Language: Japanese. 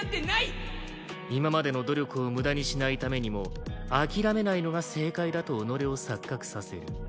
今までの努力を無駄にしないためにも諦めないのが正解だと己を錯覚させる。